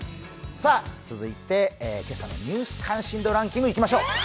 続いて今朝の「ニュース関心度ランキング」にいきましょう。